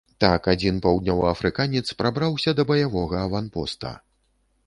Так, адзін паўднёваафрыканец прабраўся да баявога аванпоста.